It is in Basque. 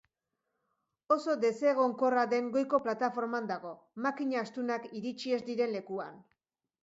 Oso desengonkorra den goiko plataforman dago, makina astunak iritsi ez diren lekuan.